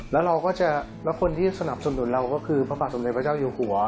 แล้วคนที่สนับสนุนเราคือพระบาทสนุนเดียระพระเจ้าเยอะหัว